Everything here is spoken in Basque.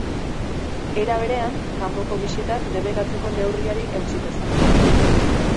Era berean, kanpoko bisitak debekatzeko neurriari eutsiko zaio.